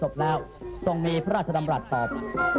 แล้วทรงมีพระราชดำรัฐตอบ